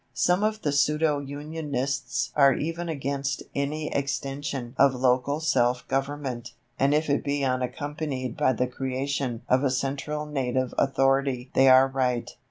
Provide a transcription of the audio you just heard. Some of the pseudo Unionists are even against any extension of local self government, and if it be unaccompanied by the creation of a central native authority they are right.